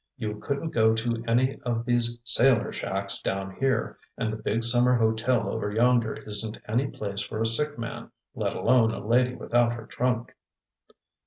You couldn't go to any of these sailor shacks down here, and the big summer hotel over yonder isn't any place for a sick man, let alone a lady without her trunk."